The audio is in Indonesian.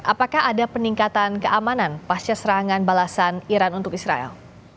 apakah ada peningkatan keamanan pasca serangan balasan iran untuk israel